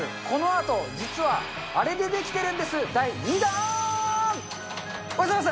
このアート、実はあれでできてるんです、第２弾。